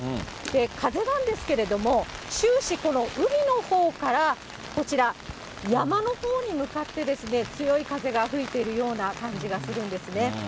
風なんですけれども、終始この海のほうからこちら、山のほうに向かって強い風が吹いているような感じがするんですね。